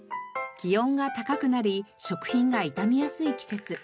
気温が高くなり食品が傷みやすい季節。